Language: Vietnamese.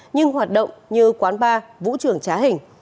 nhưng hoạt động như quán bar vũ trường trá hình